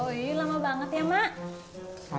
woy lama banget ya mak